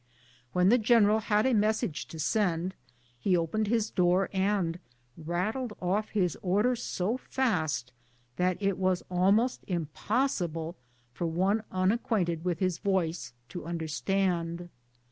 When the general had a message to send, he opened his door and rattled off his order so fast that it was almost impossible for one unacquainted with his voice to understand.